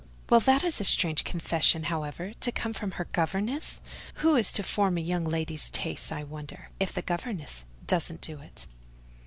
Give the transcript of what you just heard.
"Well! that is a strange confession, however, to come from her governess! Who is to form a young lady's tastes, I wonder, if the governess doesn't do it?